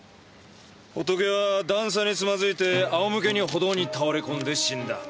ホトケは段差につまずいて仰向けに歩道に倒れこんで死んだ。